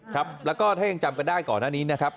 ครับแล้วก็ถ้ายังจำกันได้ก่อนหน้านี้นะครับ